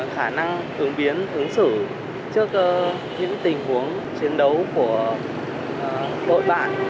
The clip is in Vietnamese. khả năng ứng biến ứng xử trước những tình huống chiến đấu của đội bạn